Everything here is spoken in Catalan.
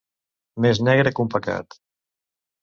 Més negre que un pecat.